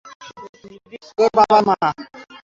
তোর বাবার মা।